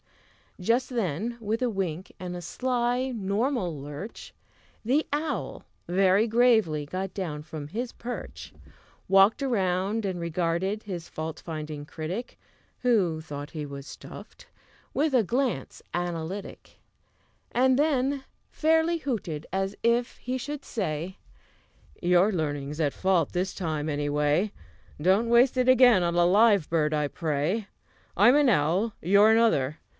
Just then, with a wink and a sly normal lurch, The owl, very gravely, got down from his perch, Walked round, and regarded his fault finding critic (Who thought he was stuffed) with a glance analytic, And then fairly hooted, as if he should say: "Your learning's at fault this time, any way; Don't waste it again on a live bird, I pray. I'm an owl; you're another.